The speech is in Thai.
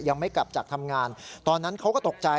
ยังไม่กลับจากทำงานตอนนั้นเขาก็ตกใจ